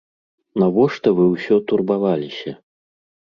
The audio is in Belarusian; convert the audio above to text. Навошта вы ўсё турбаваліся?